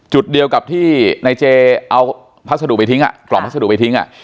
จุดเดียวกับที่ในเจเอาพัสดุไปทิ้งกล่องพัสดุไปทิ้ง